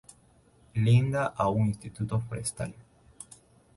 Linda a un Instituto forestal.